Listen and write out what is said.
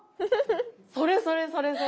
それそれそれそれ。